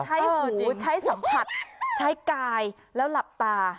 ใช้สัมผัสใช้กายแล้วหลับตา